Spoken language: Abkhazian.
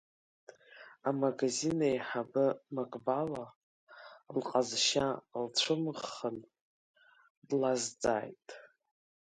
Амагазин аиҳабы, Маҟвала лыҟазшьа лцәымӷахан, длазҵааит…